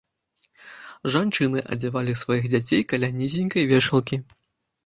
Жанчыны адзявалі сваіх дзяцей каля нізенькай вешалкі.